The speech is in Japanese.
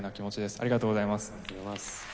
ありがとうございます。